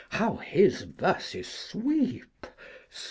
How his Verses sweep!